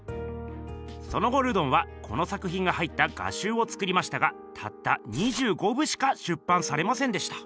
その後ルドンはこの作ひんが入った画集を作りましたがたった２５部しか出版されませんでした。